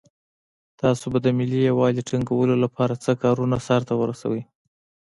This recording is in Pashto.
تاسو به د ملي یووالي ټینګولو لپاره څه کارونه سرته ورسوئ.